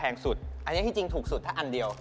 อันนี้ถูกสุดอันนี้ที่จริงถูกสุดถ้าอันเดียว